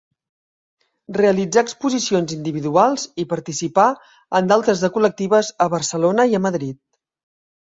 Realitzà exposicions individuals i participà en d'altres de col·lectives a Barcelona i a Madrid.